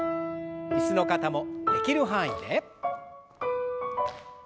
椅子の方もできる範囲で。